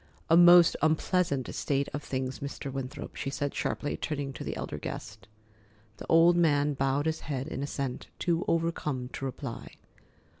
"A most unpleasant state of things, Mr. Winthrop," she said sharply, turning to the elder guest. The old man bowed his head in assent, too overcome to reply.